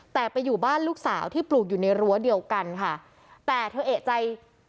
แต่ไปอยู่บ้านลูกสาวที่ปลูกอยู่ในรั้วเดียวกันค่ะแต่เธอเอกใจ